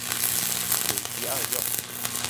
有集二卷。